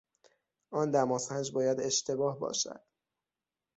آن دماسنج باید اشتباه باشد.